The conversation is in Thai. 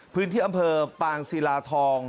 พื้นที่อำเภอปางศิลาทอง